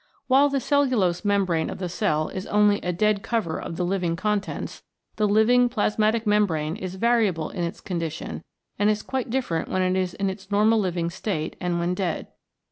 While the cellulose mem brane of the cell is only a dead cover of the living contents, the living plasmatic membrane is variable in its condition and is quite different when in its normal living state and when dead.